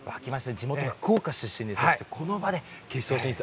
地元の福岡出身ですしこの場で決勝進出。